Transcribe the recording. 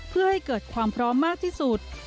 เพื่อให้เกิดความพร้อมมากที่สุด